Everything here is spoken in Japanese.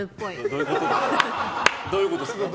どういうことですか？